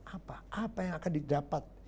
apa apa yang akan didapat